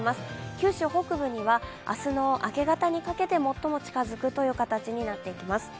九州北部には明日の明け方にかけて、最も近づくということになります。